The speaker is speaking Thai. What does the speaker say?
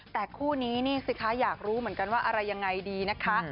แต่คู่นี้นี่สิคะอยากรู้เหมือนกันว่าอะไรยังไงดีนะคะ